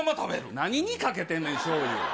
何にかけてんねん、しょうゆ。